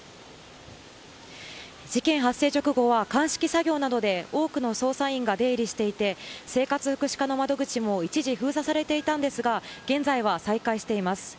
事件発生直後は鑑識作業などで多くの捜査員が出入りしていて生活福祉課の窓口も一時、封鎖されていたんですが現在は再開しています。